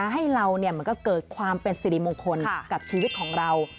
ให้เราเหมือนกับเกิดความเป็นสิริมงคลกับชีวิตของเรา